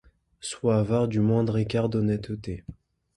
Sois avare du moindre écart d’honnêteté. -